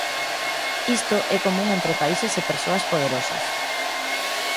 Isto é común entre países e persoas poderosas.